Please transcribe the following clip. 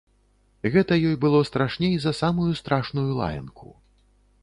Гэта ёй было страшней за самую страшную лаянку.